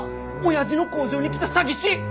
親父の工場に来た詐欺師。